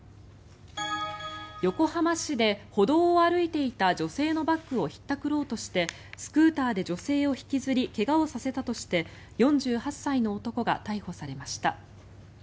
横浜市で歩道を歩いていた女性のバッグをひったくろうとしてスクーターで女性を引きずり怪我をさせたとして４８歳の男が逮捕されました。